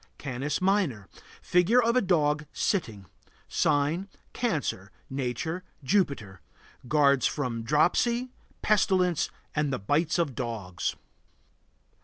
CANIS MINOR. Figure of a dog, sitting. Sign: Cancer. Nature: Jupiter. Guards from dropsy, pestilence, and the bites of dogs.